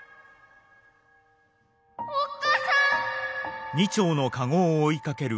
おっかさん！